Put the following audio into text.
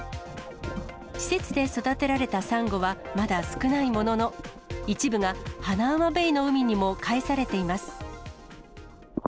施設で育てられたサンゴは、まだ少ないものの、一部がハナウマベイの海にも返されています。